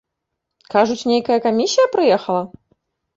Кажуць, нейкая камісія прыехала?